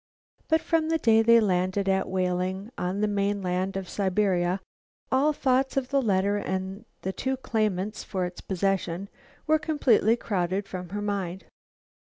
But from the day they landed at Whaling, on the mainland of Siberia, all thoughts of the letter and the two claimants for its possession were completely crowded from her mind.